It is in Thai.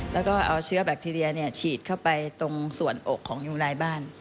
แล้วก็เอาเชื้อแบคทีเรียฉีดเข้าไปตรงส่วนอกของยูไนบ้าน